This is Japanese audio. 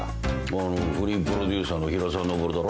あのフリープロデューサーの平沢登だろ？